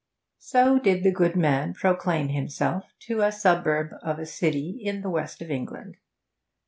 So did the good man proclaim himself to a suburb of a city in the West of England.